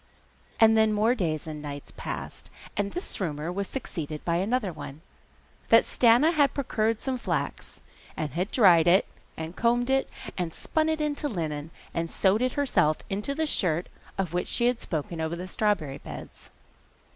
And then more days and nights passed, and this rumour was succeeded by another one that Stana had procured some flax, and had dried it, and combed it, and spun it into linen, and sewed it herself into the shirt of which she had spoken over the strawberry beds.